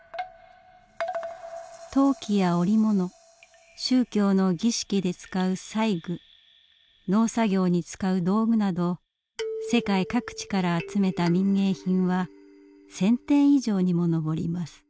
陶器や織物宗教の儀式で使う祭具農作業に使う道具など世界各地から集めた民藝品は１，０００点以上にものぼります。